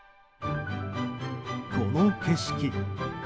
この景色。